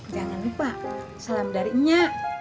jangan lupa salam dari nya